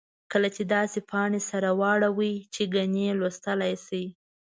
کله یې داسې پاڼې سره واړوئ چې ګنې لوستلای یې شئ.